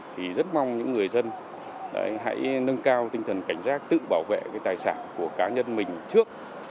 thì rất mong những người dân hãy nâng cao tinh thần cảnh giác tự bảo vệ cái tài sản của cá nhân mình trước